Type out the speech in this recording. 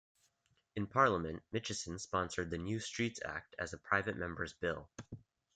In Parliament, Mitchison sponsored the New Streets Act as a private member's bill.